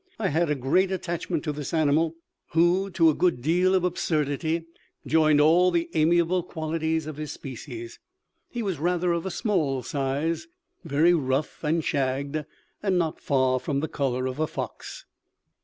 I had a great attachment to this animal, who, to a good deal of absurdity, joined all the amiable qualities of his species. He was rather of a small size, very rough and shagged, and not far from the colour of a fox.